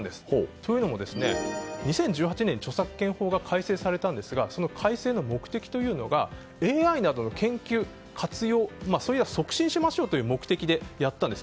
というのも、２０１８年に著作権法が改正されたんですがその改正の目的がＡＩなどの研究・活用を促進しましょうという目的でやったんです。